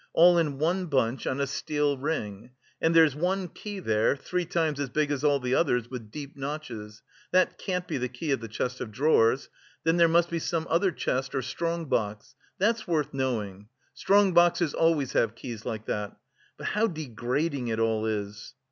All in one bunch on a steel ring.... And there's one key there, three times as big as all the others, with deep notches; that can't be the key of the chest of drawers... then there must be some other chest or strong box... that's worth knowing. Strong boxes always have keys like that... but how degrading it all is."